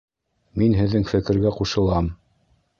Мин һеҙҙең фекергә ҡушылам